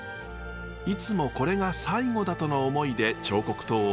いつもこれが最後だとの思いで彫刻刀を手にします。